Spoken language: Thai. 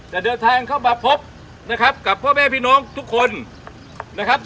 จะเดินทางเข้ามาพบนะครับกับพ่อแม่พี่น้องทุกคนนะครับ